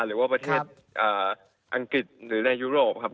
หรือว่าประเทศอังกฤษหรือในยุโรปครับ